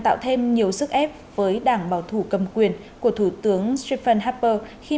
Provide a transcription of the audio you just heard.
đem nhiều sức ép với đảng bảo thủ cầm quyền của thủ tướng stephen harper khi